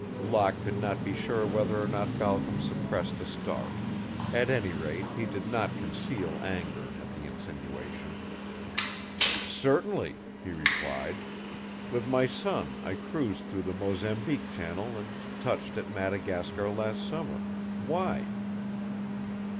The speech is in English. Locke could not be sure whether or not Balcom suppressed a start. At any rate, he did not conceal anger at the insinuation. "Certainly," he replied. "With my son I cruised through the Mozambique Channel and touched at Madagascar last summer. Why?"